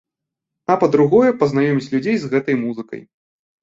А па-другое, пазнаёміць людзей з гэтай музыкай.